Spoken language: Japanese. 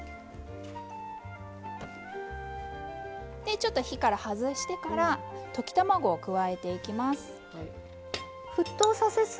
ちょっと火から外してから溶き卵を加えていきます。